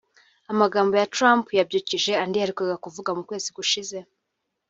Amagambo ya Trump yabyukije andi yaherukaga kuvuga mu kwezi gushize